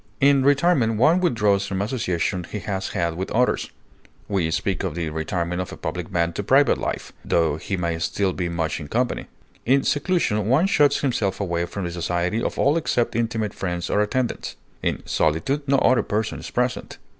In retirement one withdraws from association he has had with others; we speak of the retirement of a public man to private life, tho he may still be much in company. In seclusion one shuts himself away from the society of all except intimate friends or attendants; in solitude no other person is present.